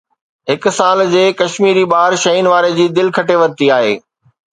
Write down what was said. هڪ سال جي ڪشميري ٻار شين وارن جي دل کٽي ورتي آهي